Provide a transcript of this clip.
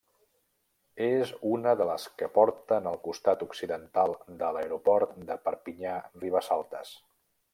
És una de les que porten al costat occidental de l'Aeroport de Perpinyà-Ribesaltes.